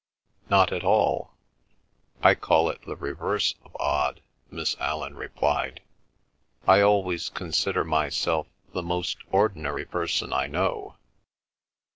"Not at all; I call it the reverse of odd," Miss Allan replied. "I always consider myself the most ordinary person I know.